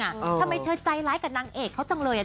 ทำไมเธอใจร้ายกับนางเอกเขาจังเลย